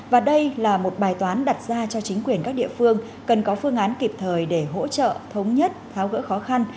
và đây là một bài toán đặt ra cho chính quyền các địa phương cần có phương án kịp thời để hỗ trợ thống nhất tháo gỡ khó khăn